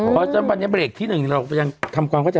เพราะฉะนั้นวันนี้เบรกที่๑เรายังทำความเข้าใจ